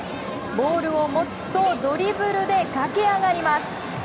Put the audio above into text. ボールを持つとドリブルで駆け上がります。